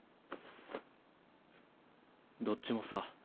どっちもさ